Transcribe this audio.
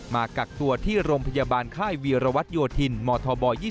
มากักตัวที่โรงพยาบาลค่ายวีรวัตโยธินมธบ๒๒